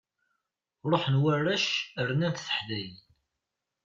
Ṛuḥen warrac rnant teḥdayin.